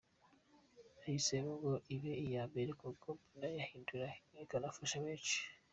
Nayihisemo ngo ibe iya mbere kuko mbona yahindura ikanafasha benshi”.